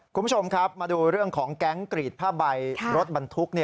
คุณผู้ชมครับมาดูเรื่องของแก๊งกรีดผ้าใบรถบรรทุก